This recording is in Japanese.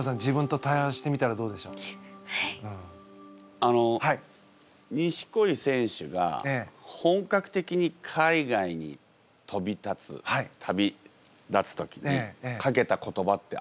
あの錦織選手が本格的に海外に飛び立つ旅立つ時にかけた言葉ってありますか？